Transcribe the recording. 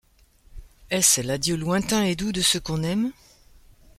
Est-ce l’adieu lointain et doux de ceux qu’on aime ?